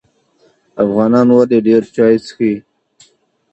افغانان ولې ډیر چای څښي؟